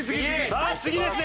さあ次ですね！